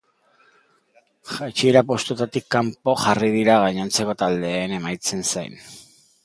Jaitsiera postuetatik kanpo jarri dira gainontzeko taldeen emaitzen zain.